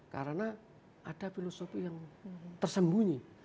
karena ada filosofi yang tersembunyi